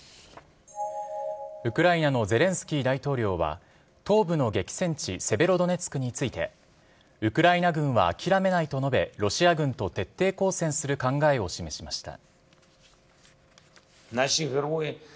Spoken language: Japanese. ウクライナのゼレンスキー大統領は、東部の激戦地、セベロドネツクについて、ウクライナ軍は諦めないと述べ、ロシア軍と徹底抗戦する考えを示しました。